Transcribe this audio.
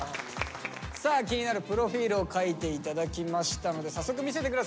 さあ気になるプロフィールを書いて頂きましたので早速見せて下さいオープン！